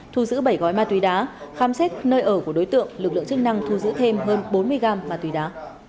thu giữ bảy gói ma túy đá khám xét nơi ở của đối tượng lực lượng chức năng thu giữ thêm hơn bốn mươi g ma túy đá